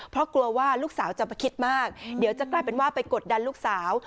เพราะกลัวว่าลูกสาวจะไปคิดมากเดี๋ยวจะกลายเป็นว่าไปกดดันลูกสาว